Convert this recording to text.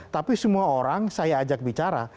tapi semua orang saya ajak bicara